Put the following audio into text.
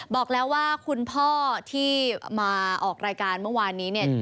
บอกแล้วว่าคุณพ่อที่มาออกรายการเมื่อวานนี้เนี่ย